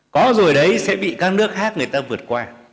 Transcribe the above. có rồi đấy sẽ bị các nước khác người ta vượt qua